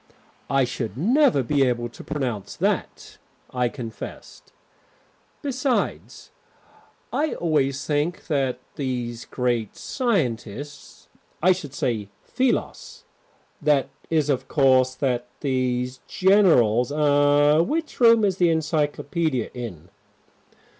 "I should never be able to pronounce that," I confessed. "Besides, I always think that these great scientists I should say philos that is, of course, that these generals er, which room is the Encyclopedia in?"